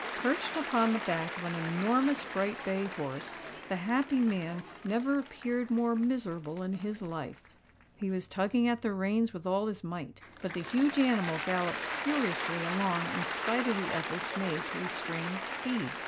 Perched upon the back of an enormous bright bay horse, the "happy man" never appeared more miserable in his life. He was tugging at the reins with all his might; but the huge animal galloped furiously along in spite of the efforts made to restrain its speed.